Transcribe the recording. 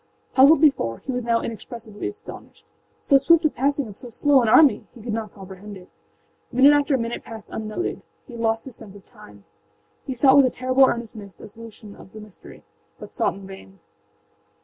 Puzzled before, he was now inexpressibly astonished. So swift a passing of so slow an army!âhe could not comprehend it. Minute after minute passed unnoted; he had lost his sense of time. He sought with a terrible earnestness a solution of the mystery, but sought in vain.